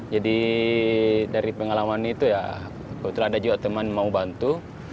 jadi dari pengalaman itu ya kebetulan ada juga teman mau bantu